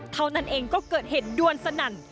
เท่านั้นเองก็เกิดเหตุด้วนสนั่น